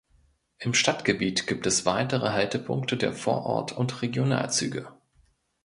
Im Stadtgebiet gibt es weitere Haltepunkte der Vorort- und Regionalzüge.